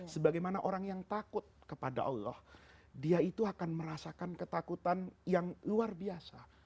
sebagaimana orang yang takut kepada allah dia itu akan merasakan ketakutan yang luar biasa